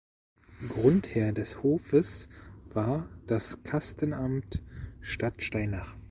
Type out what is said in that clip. Grundherr des Hofes war das Kastenamt Stadtsteinach.